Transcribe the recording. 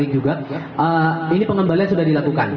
ini pengembalian sudah dilakukan